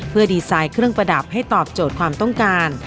เพื่อดีไซน์เครื่องประดับให้ตอบโจทย์ความต้องการ